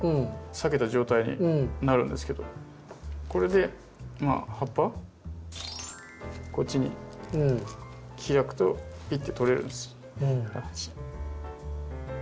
割けた状態になるんですけどこれで葉っぱこっちに開くとぴって取れるんです。